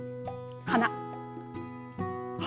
花。